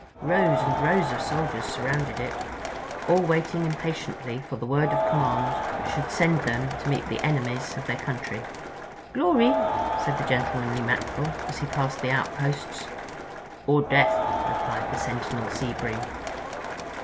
Rows and rows of soldiers surrounded it, all waiting impatiently for the word of command that should send them to meet the enemies of their country. "Glory," said the gentlemanly Mackerel, as he passed the outposts. "Or Death," replied the sentinel Sea Bream.